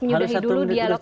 menyudahi dulu dialog